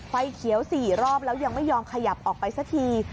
ไฟเขียว๔รอบแล้วยังไม่ยอมขยับออกไปสักที